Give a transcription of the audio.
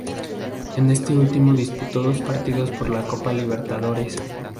En este último disputó dos partidos por la Copa Libertadores.